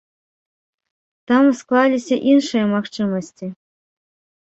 Там склаліся іншыя магчымасці.